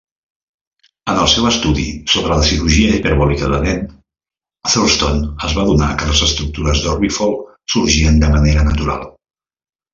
En els seu estudi sobre la cirurgia hiperbòlica de Dehn, Thurston es va adonar que les estructures d'orbifold sorgien de manera natural.